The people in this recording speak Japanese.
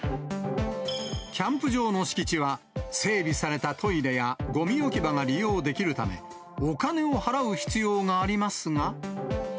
キャンプ場の敷地は、整備されたトイレやごみ置き場が利用できるため、お金を払う必要がありますが。